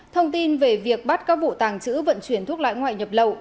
thông tin về việc bắt các vụ tàng trữ vận chuyển thuốc lá ngoại nhập lậu